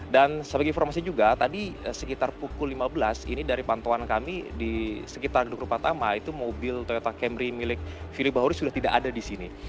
dan sebagai informasi juga tadi sekitar pukul lima belas ini dari pantauan kami di sekitar dukru patama itu mobil toyota camry milik fili bahuri sudah tidak ada di sini